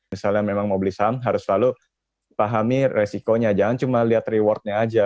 misalnya memang mau beli saham harus selalu pahami resikonya jangan cuma lihat rewardnya aja